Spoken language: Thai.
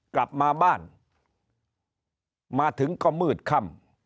กลับมาบ้านมาถึงก็มืดค่ำ